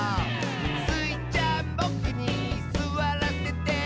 「スイちゃんボクにすわらせて？」